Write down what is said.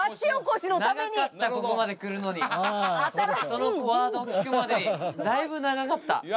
そのワードを聞くまでにだいぶ長かった。